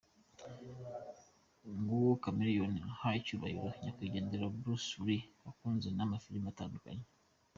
Nguwo Chameleone aha icyubahiro nyakwigendera Bruce Lee mwakunze ma mafilime atandukanye.